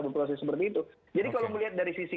berproses seperti itu jadi kalau melihat dari sisi